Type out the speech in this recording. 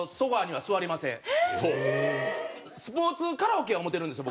スポーツ・カラオケや思うてるんですよ